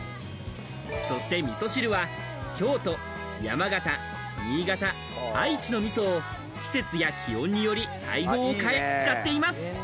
そしてみそ汁は京都、山形、新潟、愛知のみそを季節や気温により配合を変え、使っています。